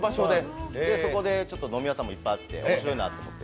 そこで飲み屋さんもいっぱいあって、面白ないと思って。